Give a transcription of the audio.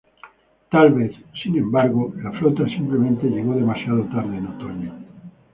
Tal vez, sin embargo, la flota simplemente llegó demasiado tarde en otoño.